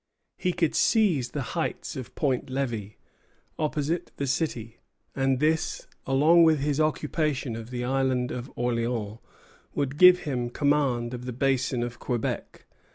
He could seize the heights of Point Levi, opposite the city; and this, along with his occupation of the Island of Orleans, would give him command of the Basin of Quebec.